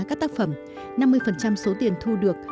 các tác phẩm năm mươi số tiền thu được